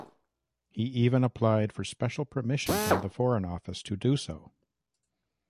He even applied for special permission from the Foreign Office to do so.